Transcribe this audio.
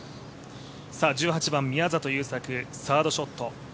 １８番、宮里優作サードショット。